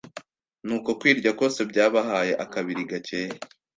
nuko kwirya kose byabahaye akabiri gakeye,